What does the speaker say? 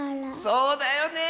そうだよねえ！